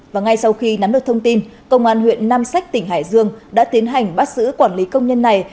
và ngay sau khi nắm được thông tin công an huyện nam sách tỉnh hải dương đã tiến hành bắt giữ quản lý công nhân này